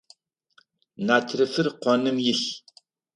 Натрыфыр коным илъ.